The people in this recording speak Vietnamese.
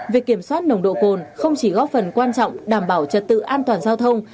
việc kiểm soát nồng độ cồn không chỉ góp phần quan trọng đảm bảo trật tự an toàn giao thông